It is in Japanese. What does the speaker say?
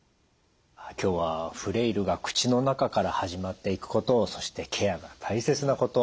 今日はフレイルが口の中から始まっていくことをそしてケアが大切なこと